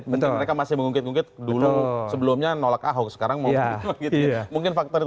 mungkin mereka masih mengungkit ungkit dulu sebelumnya menolak ahok sekarang mau mengungkit ungkit